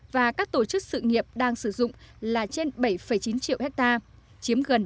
và các tổ chức sự nghiệp đang sử dụng là trên bảy chín triệu hectare chiếm gần chín mươi